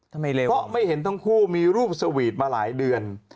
ก็ไม่เห็นทั้งคู่มีรูปสวีทมาหลายเดือน